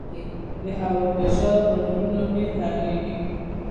د هوا فشار په غرونو کې کمېږي.